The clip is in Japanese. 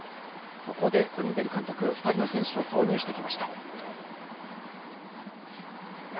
ここでコリン・ベル監督２人の選手を投入してきました。